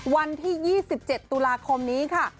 วันที่๒๗ตุลาคมนี้ค่ะ